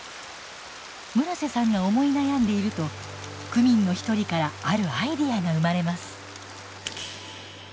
村瀬さんが思い悩んでいると区民の一人からあるアイデアが生まれます。